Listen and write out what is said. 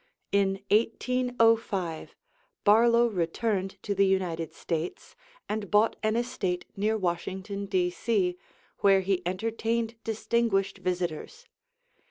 In 1805 Barlow returned to the United States and bought an estate near Washington, D.C., where he entertained distinguished visitors.